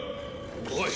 おい！